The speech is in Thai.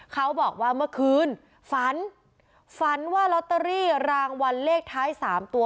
เขาบอกว่าเมื่อคืนฝันฝันว่าลอตเตอรี่รางวัลเลขท้าย๓ตัว